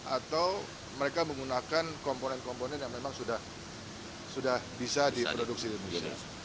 atau mereka menggunakan komponen komponen yang memang sudah bisa diproduksi di indonesia